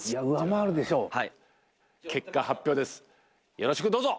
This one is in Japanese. よろしくどうぞ！